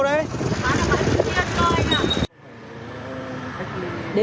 bán ở ngoài phía trên coi nè